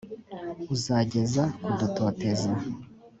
uzageza kudutoteza